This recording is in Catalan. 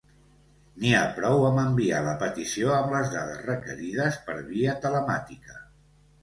N'hi ha prou amb enviar la petició amb les dades requerides per via telemàtica.